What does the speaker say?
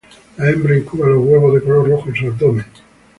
La hembra incuba los huevos, de color rojo, en su abdomen.